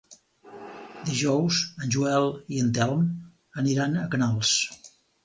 Dijous en Joel i en Telm aniran a Canals.